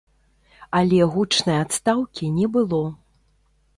Але гучнай адстаўкі не было.